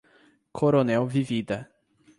Coronel Vivida